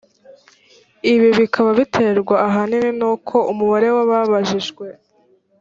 ibi bikaba biterwa ahanini n’uko umubare w’ababajijwe